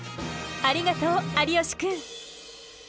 ありがとう有吉くん。